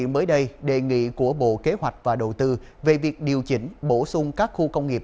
mới đây đề nghị của bộ kế hoạch và đầu tư về việc điều chỉnh bổ sung các khu công nghiệp